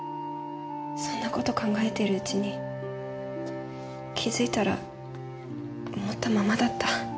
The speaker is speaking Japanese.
そんな事考えているうちに気付いたら持ったままだった。